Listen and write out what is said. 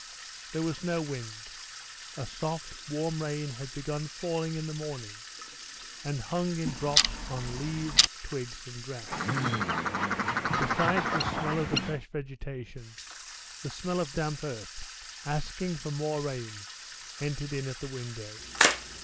There was no wind; a soft warm rain had begun falling in the morning, and hung in drops on leaves, twigs, and grass. Besides the smell of the fresh vegetation, the smell of damp earth, asking for more rain, entered in at the window.